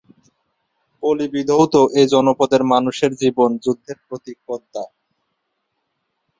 পলি বিধৌত এই জনপদের মানুষের জীবন যুদ্ধের প্রতীক পদ্মা।